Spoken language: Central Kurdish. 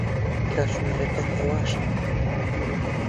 کاتژمێرەکە هێواشە.